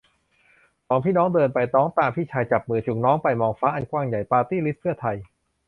สองพี่น้อง เดินไป น้องตามพี่ชาย จับมือจูงน้องไป มองฟ้าอันกว้างใหญ่ ปาร์ตี้ลิสต์เพื่อไทย